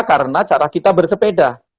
karena cara kita bersepeda